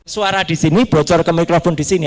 suara di sini bocor ke mikrofon di sini